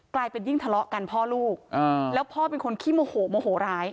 กลายเป็นยิ่งทะเลาะกันพ่อลูกแล้วพ่อเป็นคนขี้โมโหโมโหร้าย